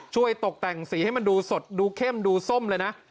ตกแต่งสีให้มันดูสดดูเข้มดูส้มเลยนะ